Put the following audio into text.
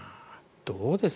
どうです？